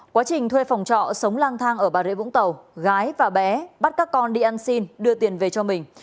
quá trình thuê phòng trọ sống lang thang ở bà rễ vũng tàu gái và bé bắt các con đi ăn xin đưa tiền về cho mình